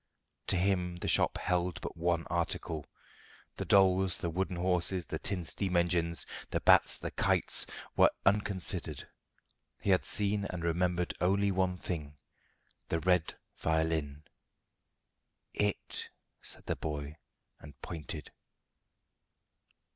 To him the shop held but one article. The dolls, the wooden horses, the tin steam engines, the bats, the kites, were unconsidered. He had seen and remembered only one thing the red violin. "It," said the boy, and pointed.